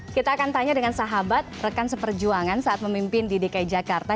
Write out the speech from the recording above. kita akan tanya dengan sahabat rekan seperjuangan saat memimpin di dki jakarta